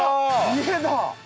家だ。